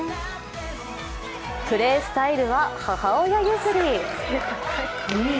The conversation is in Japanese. プレースタイルは母親譲り。